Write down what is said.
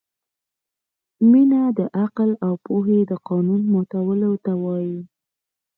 مینه د عقل او پوهې د قانون ماتولو ته وايي.